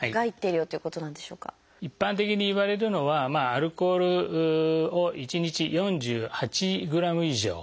一般的にいわれるのはアルコールを１日４８ｇ以上。